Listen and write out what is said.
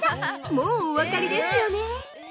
もうお分かりですよね？